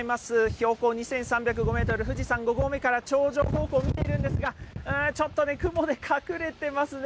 標高２３０５メートル、富士山５合目から頂上方向を見ているんですが、うーん、ちょっと雲で隠れてますね。